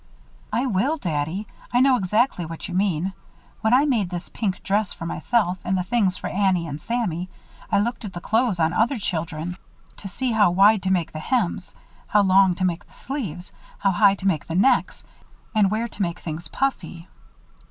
"I will, Daddy. I know exactly what you mean. When I made this pink dress for myself and the things for Annie and Sammy, I looked at the clothes on other children to see how wide to make the hems, how long to make the sleeves, how high to make the necks, and where to make things puffy."